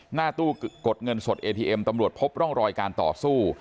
หน้าตู้กดเงินสดเอทีเอ็มตำรวจพบร่องรอยการต่อสู้